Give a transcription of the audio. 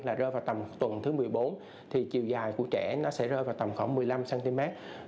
là rơi vào tầm tuần thứ một mươi bốn thì chiều dài của trẻ nó sẽ rơi vào tầm khoảng một mươi năm cm